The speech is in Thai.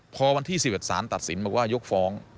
พอวันที่๑๑สารตัดสินบอกว่ายกฟ้อง